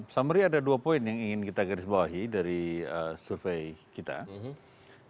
summary ada dua poin yang ingin kita gariskan